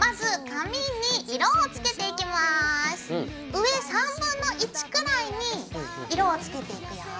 上1/3くらいに色をつけていくよ。